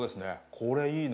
これいいな。